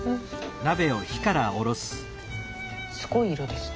すごい色ですね。